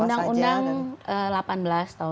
undang undang delapan belas tahun dua ribu